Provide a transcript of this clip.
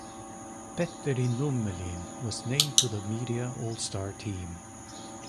Petteri Nummelin was named to the Media All-Star team.